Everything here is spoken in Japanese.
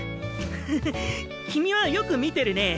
ふふっ君はよく見てるね。